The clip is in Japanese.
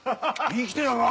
生きてたか！